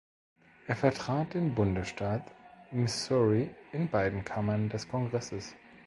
Er vertrat den Bundesstaat Missouri in beiden Kammern des Kongresses.